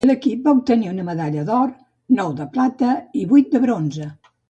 L'equip va obtenir una medalla d'or, nou de plata i vuit de bronze.